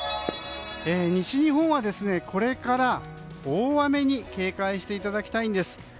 西日本はこれから大雨に警戒していただきたいんです。